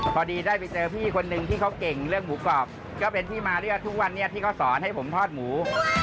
พอดีได้ไปเจอพี่คนนึงที่เขาเก่งเรื่องหมูกรอบก็เป็นที่มาเรียกว่าทุกวันนี้ที่เขาสอนให้ผมทอดหมู